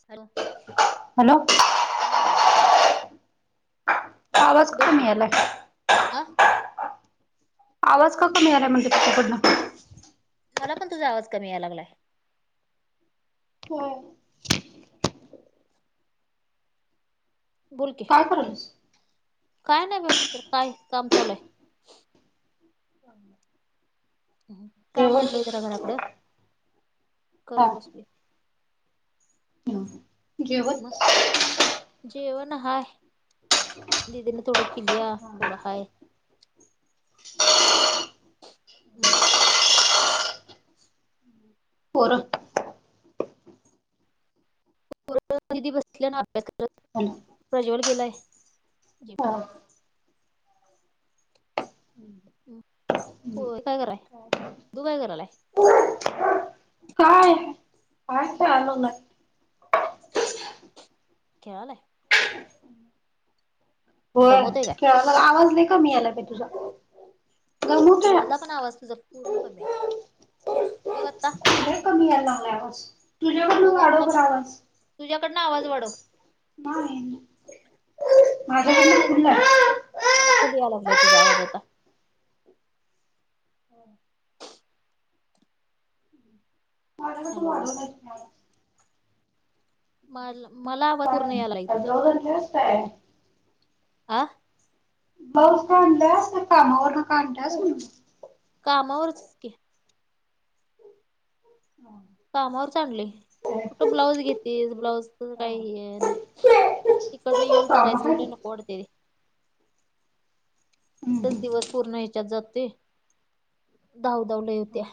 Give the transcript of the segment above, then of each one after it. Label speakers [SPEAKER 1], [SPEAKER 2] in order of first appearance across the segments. [SPEAKER 1] अन
[SPEAKER 2] hello
[SPEAKER 1] हा
[SPEAKER 2] आवाज
[SPEAKER 1] बोल
[SPEAKER 2] कमी
[SPEAKER 1] की
[SPEAKER 2] यालाय.
[SPEAKER 1] अ
[SPEAKER 2] आवाज का कमी यालाय म्हणल तूच्याकडनं
[SPEAKER 1] मला पण तुझा आवाज कमी याला लागलाय.
[SPEAKER 2] हो.
[SPEAKER 1] बोल की
[SPEAKER 2] [inaudible] [unintelligible]
[SPEAKER 1] काय नाही ब तर काय काम चालूय. का
[SPEAKER 2] जेवण
[SPEAKER 1] म्हांडलंय तर घराकडे करत बसली.
[SPEAKER 2] ह
[SPEAKER 1] मग
[SPEAKER 2] जेवत.
[SPEAKER 1] जेवण हाय दीदीने थोडं किलिया थोडा हाय मग.
[SPEAKER 2] पोर
[SPEAKER 1] दीदी बसल्या ना अभ्यास करत
[SPEAKER 2] बोला.
[SPEAKER 1] प्रज्वल गेलाय जिम ला. हो काय? कराय तू काय? करायलाय.
[SPEAKER 2] ह चालू ना.
[SPEAKER 1] खेळायला. आहे
[SPEAKER 2] होय
[SPEAKER 1] दमो ते काय?
[SPEAKER 2] खेळायला आवाज नाही कमी आला तुझा. गमवतोय
[SPEAKER 1] मला पण आवाज तुझा पूर्ण कमी. बघ आता
[SPEAKER 2] े कमी यायला लागवस तुझ्याकडूनू
[SPEAKER 1] बघ
[SPEAKER 2] वाढ
[SPEAKER 1] आता
[SPEAKER 2] क
[SPEAKER 1] बघ
[SPEAKER 2] आवाज.
[SPEAKER 1] तुझ्याकडनं आवाज वाढव.
[SPEAKER 2] नान.
[SPEAKER 1] मी वाढवला गेेतात ना तू मला फुल याला लागलाय तुझा आवाज आता.
[SPEAKER 2] होम. वाढला तू
[SPEAKER 1] हॅलो
[SPEAKER 2] वाढव अस.
[SPEAKER 1] मला
[SPEAKER 2] काय
[SPEAKER 1] पूर्ण यायला आहे त त्या
[SPEAKER 2] ब्लाऊज आणल्यास काय?
[SPEAKER 1] ह.
[SPEAKER 2] ब करड कामर नाकांड [inaudible]
[SPEAKER 1] कामावरच की औ
[SPEAKER 2] ह
[SPEAKER 1] कामावरच आणलली कुठं ब्लाउज घेतेस ब्लाउज काही नाही. तिकडन येऊन करायचं
[SPEAKER 2] हायत.
[SPEAKER 1] म्हणते नकोडते. तिथच दिवस पूर्ण ह्याच्यात जातो धावधावल्या होत्या.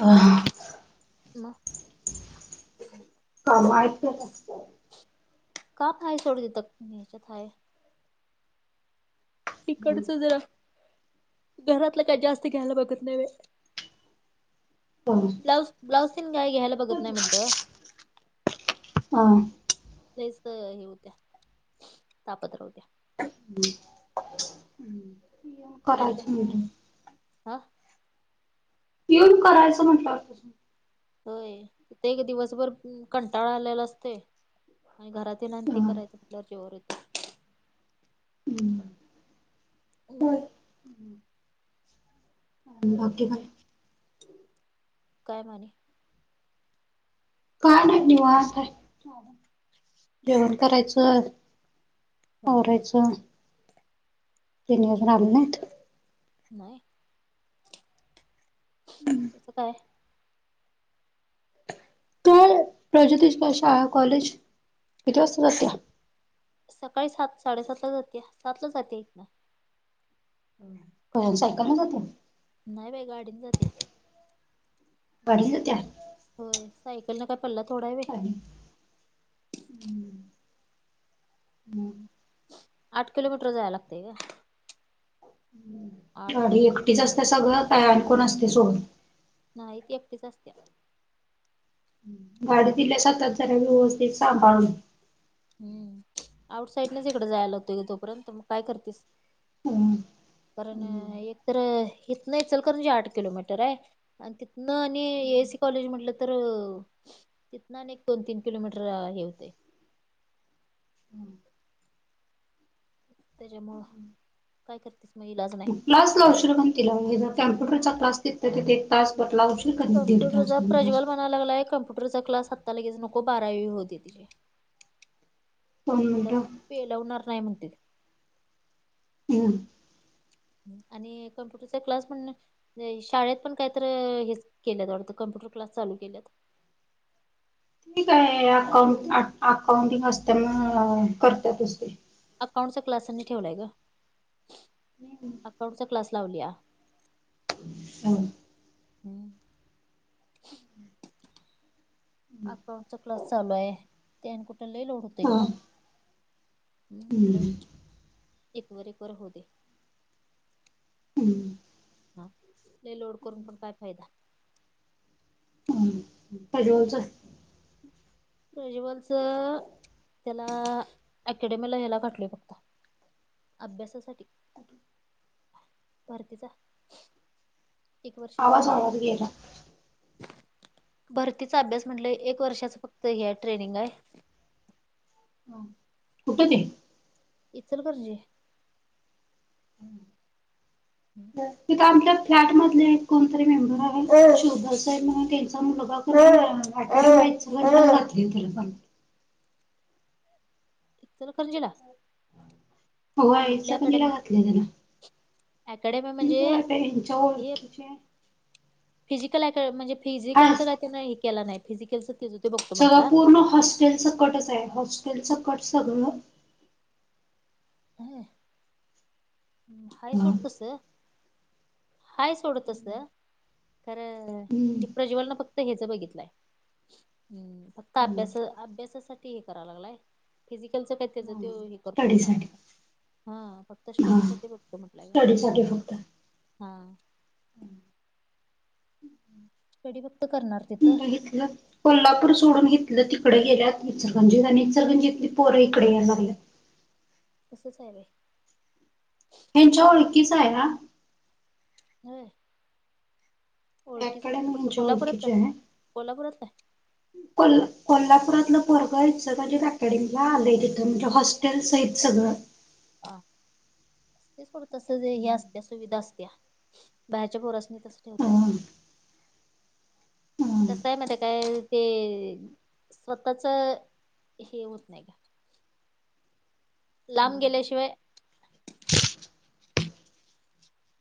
[SPEAKER 2] ह हा..
[SPEAKER 1] [inaudible]
[SPEAKER 2] हा मायत न य...
[SPEAKER 1] का य सोड द त या्याच्यात हाय. तिकडच जरा घरातल काय जास्त घ्यायला बघत नाही होय. ब्लाऊज ब्लाउज सन गाय घ्यायला बघत नाही म्हटलं.
[SPEAKER 2] हा.
[SPEAKER 1] तेच हे होत्या तापत्र होत्या.
[SPEAKER 2] येन करायच म्ह...
[SPEAKER 1] हां.
[SPEAKER 2] येऊन करायच म्हटल होत.
[SPEAKER 1] होय, ते एक दिवसभर कंटाळा आलेला असतोय. आणि घरात ये आणि ते करायच दरजेवरच.
[SPEAKER 2] [inaudible]
[SPEAKER 1] [unintelligible]
[SPEAKER 2] ओके बा.
[SPEAKER 1] काय म्हणे.
[SPEAKER 2] काय नाही निवांत आहे, जेवण करायच.
[SPEAKER 1] ह
[SPEAKER 2] आवरायच. तिन एक रामनाथ.
[SPEAKER 1] नाही कस काय?
[SPEAKER 2] काय प्रजोतश शाळा कॉलेज किती वाजता जातेस.
[SPEAKER 1] सकाळी सात साडेसातला जातेया सातला जाते इथं,
[SPEAKER 2] हो सायकलने जाते.
[SPEAKER 1] नाही बाई गाडीत जाते.
[SPEAKER 2] गाडीन जातेय.
[SPEAKER 1] होय सायकल न काय पल्ला थोडाय व्हय.
[SPEAKER 2] [inaudible]
[SPEAKER 1] आठ किलोमीटर जायला लागतय गं. आठ
[SPEAKER 2] गाडी एकटीच असते सगळ काय आणि कोण असतय सोबत.
[SPEAKER 1] नाही एकटीच असते.
[SPEAKER 2] गाडी दिल्यास हातात जरा व्यवस्थित सांभाळून.
[SPEAKER 1] हम्म आउटसाईड नच इकड जायला होतय तोपर्यंत मग काय करतेस.
[SPEAKER 2] हम्म.
[SPEAKER 1] कारण
[SPEAKER 2] हम्म
[SPEAKER 1] एक तर हितन ईचलकरंणजी आठ किलोमीटर आहे. आणि तिथन आणि एसी कॉलेज म्हटल तर तिथन आणिक दोन तीन किलोमीटर हे होतय. त्याच्यामुळ काय करतेस. मग इलाज नाही
[SPEAKER 2] क्लास
[SPEAKER 1] एवढा
[SPEAKER 2] लावशील मग तिला हे जर कॉम्प्युटरचा क्लास तिथल्या तिथ एक तास भर लावशील. कणी दीड तास
[SPEAKER 1] कम्प्युटरचा
[SPEAKER 2] दोन तास
[SPEAKER 1] प्रज्वल म्हणाय लागलाय कम्पुटरचा क्लास आत्ता लगेच नको बारावी होऊ दे तिची.
[SPEAKER 2] दोन
[SPEAKER 1] तिला
[SPEAKER 2] मिनिटं
[SPEAKER 1] पेलवणार नाही म्हणते ते.
[SPEAKER 2] हम्म
[SPEAKER 1] आणि कम्प्युटरचा क्लास षण नाही शाळेत पण कायतर हे केल्यात वाटत कम्प्युटर क्लास चालू केल्यात.
[SPEAKER 2] ठीक आहे अकाउंट अकाउंटिंग असते मग करते दुसरी.
[SPEAKER 1] अकाउंटचा क्लास आणि ठेवलाय ग अकाउंटचा क्लास लावलीया.
[SPEAKER 2] होय
[SPEAKER 1] हम्म अकउंटचा क्लास चालू आहे ते अन कुठ लय लोड होतय ग मग. म्हणून म्हटल
[SPEAKER 2] हम्म
[SPEAKER 1] एक वर एक होउ दे.
[SPEAKER 2] हम्म
[SPEAKER 1] हा लय लोड करून पण काय फायदा.
[SPEAKER 2] [unintelligible]
[SPEAKER 1] प्रज्वलचा. त्याला ॲकेडेमीला ह्याला घातलय म्हटले फक्त्त. अभ्यासासाठी भरतीचा एक वर्षाच
[SPEAKER 2] आवाज
[SPEAKER 1] हे आहे
[SPEAKER 2] आवाज गेला.
[SPEAKER 1] भरतीचा अभ्यास म्हणल एक वर्षाच फक्त हे हाय ट्रेनिंग आहे.
[SPEAKER 2] कुठं ते?
[SPEAKER 1] इचलकरंजी.
[SPEAKER 2] तिथ आमपल्या फ्लॅट मधले एक कोणतरी मेंबर आहे चैधरी साहेब म्हणून त्यांचा मुलगा त आटच बली वर पण घातली तुला पण
[SPEAKER 1] ईचलकरजी ला
[SPEAKER 2] होय इचलकरंजीला घातलय त्याला
[SPEAKER 1] अँकडेमी म्हणजे
[SPEAKER 2] यांच्या
[SPEAKER 1] हेप
[SPEAKER 2] ओळखीचे
[SPEAKER 1] फिजिकल अँक म्हणजे
[SPEAKER 2] हा
[SPEAKER 1] फिजिकलच काय त्यांन हे केला नाही फिजिकलच
[SPEAKER 2] सगळं पूर्ण हॉस्टेलचं कटच आहे हॉस्टेलचं कटस सगळं
[SPEAKER 1] हम हाय
[SPEAKER 2] हा
[SPEAKER 1] सोड तस हाय सोड तस खर ते प्रज्वल न फक्त हेच बघितलंय हम् फक्त अभ्यास अभ्यासासाठी हे कराल लागलाय फिजिकलच काही त्याचं तो हे करतो म्हणालागलाय हा फक्त
[SPEAKER 2] हा हा
[SPEAKER 1] स्टडीसाठी बघतो म्हटलाय
[SPEAKER 2] स्टडी साठी फक्त
[SPEAKER 1] हा स्टडी फक्त करणार तिथं
[SPEAKER 2] हितल कोल्हापूर सोडून हितल तिकड गेल्यात इचलकरंजीत आणि इचलकरंजी तली पोर इकड यायला लागल्यात.
[SPEAKER 1] तसंच आहे बाई
[SPEAKER 2] ह्यांच्या ओळखीचा हाय हा
[SPEAKER 1] होय ओळखीच म्हणजे
[SPEAKER 2] अकॅडमी
[SPEAKER 1] कुठं
[SPEAKER 2] ह्याच्या
[SPEAKER 1] कोल्हापुरातलं
[SPEAKER 2] ओळखीची हाय.
[SPEAKER 1] कोल्हापुरातलं
[SPEAKER 2] कोल कोल्हापुरातलं पोरग इचलकरंजीत अकॅडमीला आलंय तिथं म्हणजे हॉस्टेलसहित सगळं
[SPEAKER 1] हा तेच पुरत हे असत्या सुविधा असत्या. बाहेरच्या पोरसणी तस ठेवत्यात
[SPEAKER 2] हं हं
[SPEAKER 1] कस आहे महीत काय ते स्वतःच हे होत नाही का लांब गेल्याशिवाय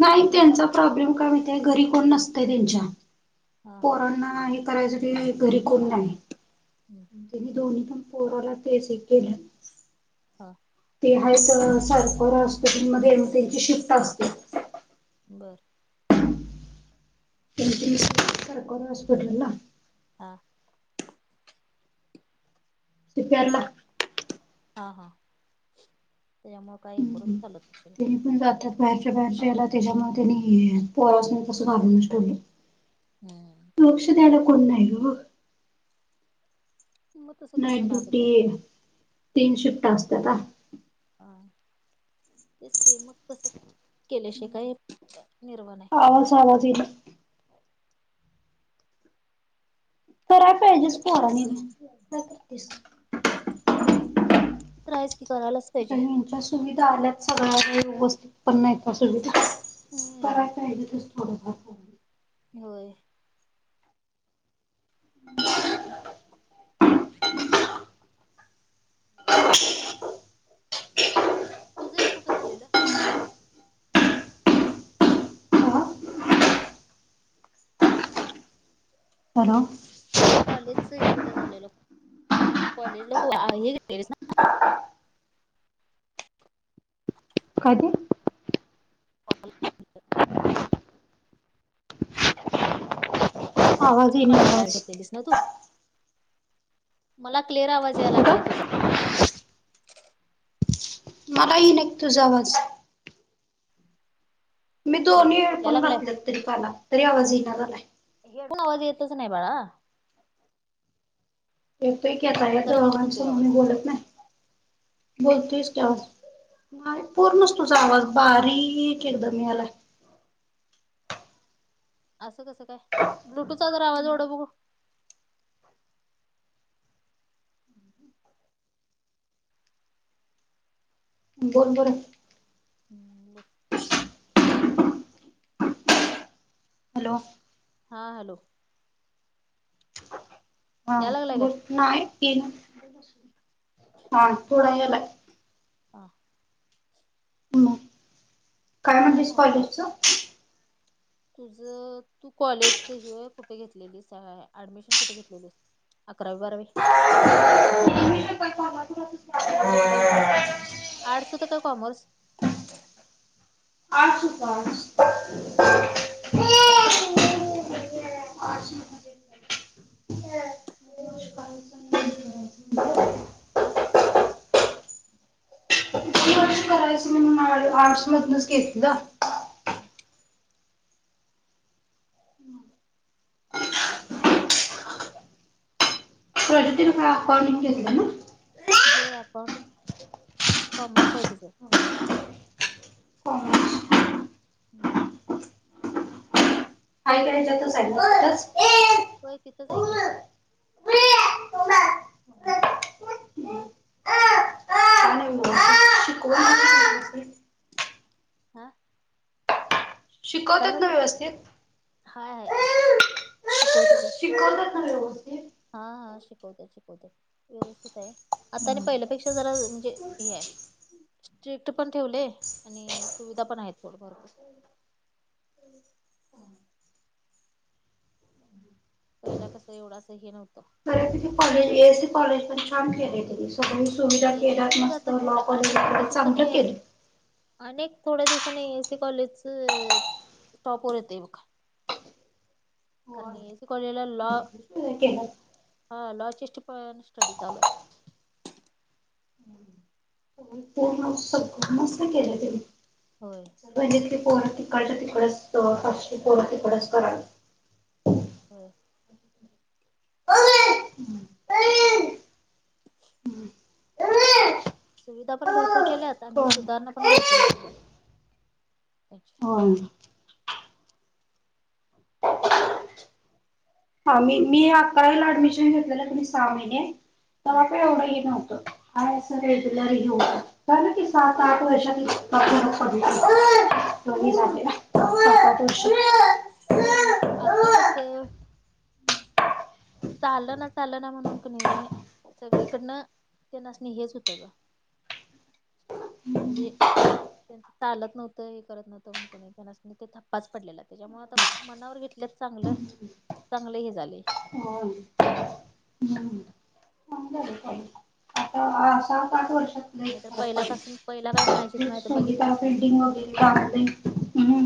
[SPEAKER 2] नाही त्यांचा
[SPEAKER 1] लोकांचं
[SPEAKER 2] प्रॉब्लेम काय माहीती ये घरी कोण नसतय त्यांच्या
[SPEAKER 1] हा
[SPEAKER 2] पोरांना हे कराय साठी घरी कोण नाय.
[SPEAKER 1] हम्
[SPEAKER 2] तीनी दोन्ही पण पोराला तेस एक केलयात.
[SPEAKER 1] हां
[SPEAKER 2] ते आहेत तवर सरकार हॉस्पिटलमध्ये त्यांची शिफ्ट असत्या.
[SPEAKER 1] बरं
[SPEAKER 2] गेलतीस सरकारी हॉस्पिटल ला.
[SPEAKER 1] हा
[SPEAKER 2] ति प्याड म
[SPEAKER 1] हा हा त्याच्यामुळं काही करून फाँलत आसेल
[SPEAKER 2] मी पण जाते त आता बाहेरच्या बाहेरच्या याला त्याच्यामुळे त्यांनी पोरासणी तस कारून च ठेवलय.
[SPEAKER 1] हम
[SPEAKER 2] लक्ष द्यायला कोण नाही ग
[SPEAKER 1] मग तसं
[SPEAKER 2] नाईट
[SPEAKER 1] करणं भागच
[SPEAKER 2] ड्युटी
[SPEAKER 1] आहे
[SPEAKER 2] तीन शिफ्ट असत्याता.
[SPEAKER 1] हा तेच की मग तसं केल्याशिवाय काही निर्वा नाही.
[SPEAKER 2] आवाज आलदिन येईना. कराय पाहिजेस पोरांनी.
[SPEAKER 1] होय प्रायज [unintelligible] की करायलाच
[SPEAKER 2] आता
[SPEAKER 1] पाहिजे.
[SPEAKER 2] ह्यांच्या सुविधा आल्यात सगळ्या व्यवस्थित पण नाही का सुविधा, कराय
[SPEAKER 1] हम्म
[SPEAKER 2] पाहिजे थोडं फार.
[SPEAKER 1] व्हय.
[SPEAKER 2] [inaudible]
[SPEAKER 1] [unintelligible] तुझंही कुठं झालेलं.
[SPEAKER 2] हॅलो.
[SPEAKER 1] तुझ कॉलेजच हे कुठं झालेलं? कॉलेजला तू आ हे घेतलेलस ना.
[SPEAKER 2] काय ते?
[SPEAKER 1] [unintelligible]
[SPEAKER 2] आवाज येईना आवाज
[SPEAKER 1] [unintelligible] तू. मला क्लिअर आवाज या लागलाय
[SPEAKER 2] कुठं
[SPEAKER 1] तुझा.
[SPEAKER 2] मलाही [unintelligible] तुझा आवाज. मी
[SPEAKER 1] हॅलो
[SPEAKER 2] दोन्ही
[SPEAKER 1] या
[SPEAKER 2] हेडफोन
[SPEAKER 1] लागलाय
[SPEAKER 2] घातलेत तरी कानात, तरी आवाज येइना झालाय.
[SPEAKER 1] हेडून आवाज येतच नाही बाळा.
[SPEAKER 2] येतोय की आता
[SPEAKER 1] कमी
[SPEAKER 2] येतो
[SPEAKER 1] म्हणजेच होतोय
[SPEAKER 2] आमचं म्हणून
[SPEAKER 1] आवाज
[SPEAKER 2] बोलत नाय. बोलतेस की आवाज नाही पूर्णच तुझा आवाज बारीक एकदम यालाय.
[SPEAKER 1] असं कसं काय? ब्लूटूथ चा जर आवाज एवढ बघू
[SPEAKER 2] [inaudible] बोल बरं.
[SPEAKER 1] [unintelligible]
[SPEAKER 2] हॅलो.
[SPEAKER 1] हा हॅलो.
[SPEAKER 2] हा,
[SPEAKER 1] या लागलाय काय
[SPEAKER 2] बोल. नाई येना, हा, थोडा यालाय.
[SPEAKER 1] हा.
[SPEAKER 2] [unintelligible] काय म्हणतेस कॉलेजचं?
[SPEAKER 1] तुझं, तू कॉलेजच ह्य कुठ घेतलेलीस, ऍडमिशन कुठे घेतलेलीस. अकरावी बारावी.
[SPEAKER 2] [unintelligible]
[SPEAKER 1] आर्टस होतं का कॉमर्स?
[SPEAKER 2] [unintelligible]
[SPEAKER 1] [unintelligible] हा ठीक आहे.
[SPEAKER 2] आर्ट्स दोन
[SPEAKER 1] आ?
[SPEAKER 2] [unintelligible] आर्ट्स मधनचं घेतलं.
[SPEAKER 1] आ. बर.
[SPEAKER 2] [unintelligible]
[SPEAKER 1] होय अकाउंटिंग. कॉमर्स आहे तिचं.
[SPEAKER 2] कॉमर्स
[SPEAKER 1] हम्म.
[SPEAKER 2] [unintelligible]
[SPEAKER 1] होय तिथंच हाय की.
[SPEAKER 2] छान आहे मग शिकवण पण छान आहे व्यवस्थित.
[SPEAKER 1] हा?
[SPEAKER 2] शिकवतात ना व्यवस्थित?
[SPEAKER 1] हांय हांय शिकवतांत.
[SPEAKER 2] शिकवतांत नां व्यवस्थित.
[SPEAKER 1] हां हां शिकवतांत शिकवतांत. व्यवस्थित आहे आंता आणि पहिल्यांपेक्षा जरां म्हणजे हे आहे. स्ट्रिक्ट पणं ठेवले आणि सुविधां पणं आहेतं थोडं भरंपूर. पहिला कसं एवढं असं हे नव्हतं.
[SPEAKER 2] खरं तुझे कॉलेज आहे कॉलेजमध्यें कामं केले. सगळी सुविधा
[SPEAKER 1] एसी
[SPEAKER 2] केल्यांत
[SPEAKER 1] कॉलेज आता
[SPEAKER 2] मस्तं. लॉ
[SPEAKER 1] थोड्या
[SPEAKER 2] कॉलेज
[SPEAKER 1] अनेक थोड्या
[SPEAKER 2] वगैरें
[SPEAKER 1] दिवसांनी
[SPEAKER 2] चांगलं
[SPEAKER 1] एसी
[SPEAKER 2] केलं.
[SPEAKER 1] अनेक थोड्यां दिवसांनी ए सी कॉलेजचं टॉपवर येते बघां. कारणं ए सी कॉलेजलां लॉ
[SPEAKER 2] तुम्हीं केलंत
[SPEAKER 1] हं लॉजेस्ट पणं स्टडी चालूंयं
[SPEAKER 2] पूर्ण सगळं मस्तं केलं त्यांनी.
[SPEAKER 1] होयं
[SPEAKER 2] पणं इतली पोरं तिकडल्यां तिकडेचं पोरं तिकडचं करांल
[SPEAKER 1] बरं [inaudible] [unintelligible] सुविधां पणं भरंपूर केल्यांत. आणि
[SPEAKER 2] कोण?
[SPEAKER 1] सुधांरणा पणं भरंपूर झाल्यानत. त्यांच्यां
[SPEAKER 2] होय हां मी मी आकरावीला ऍडमिशन घेतलेलं कनी सहा महिने,
[SPEAKER 1] हा
[SPEAKER 2] तेवा कायं एवढं हे नव्हतं. हं सलाई हो झालं की सात आठ वर्षानी दोन्ही झाले. सात आठ वर्ष [unintelligible]
[SPEAKER 1] होयं, आंता
[SPEAKER 2] होय
[SPEAKER 1] कसं चाललं नां चालं नां म्हणूंन कोणी. सगळींकडनं ते नसणे हेचं होतं गं.
[SPEAKER 2] हम्मं
[SPEAKER 1] चालतं नव्हतं हे करतं नव्हतं म्हणं. थप्पांच पडलेला त्यांच्यामुळे आंता मनांवर घेतले चांगलं चांगलं हे झाले.
[SPEAKER 2] हो हम्मं. आंता सात आठ वर्षात. लई
[SPEAKER 1] नाहींतरं
[SPEAKER 2] फरक
[SPEAKER 1] पहिला कसं
[SPEAKER 2] पडला.
[SPEAKER 1] पहिला कायं म्हणायचं माहितेय बघितलंस नां.
[SPEAKER 2] लागतेचं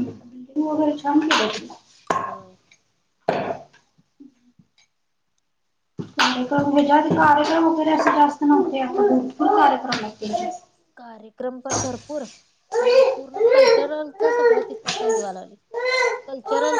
[SPEAKER 2] तूं वगैरें छान केलेस.
[SPEAKER 1] होयं
[SPEAKER 2] कार्यक्रम
[SPEAKER 1] आणि
[SPEAKER 2] ह्यांच्या आंधी कार्यक्रम वगैरें असे जास्तं नव्हते. आंता भरंपूर कार्यक्रम आहेतं त्यांचे.
[SPEAKER 1] कार्यक्रम पणं भरंपूर. आणि पूर्ण कल्चर लंच सगळं तिथं कल्चरलं सां